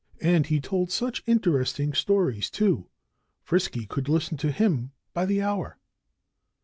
And he told such interesting stories, too! Frisky could listen to him by the hour.